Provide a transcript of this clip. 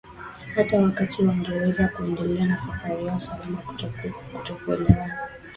hata wakati wangeweza kuendelea na safari yao salama Kutokuelewana